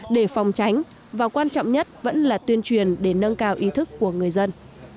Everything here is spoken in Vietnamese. để phòng tránh và quan trọng nhất vẫn là tuyên truyền để nâng cao ý thức của người dân